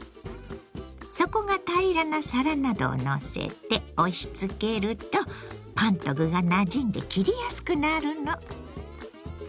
底が平らな皿などをのせて押しつけるとパンと具がなじんで切りやすくなるの。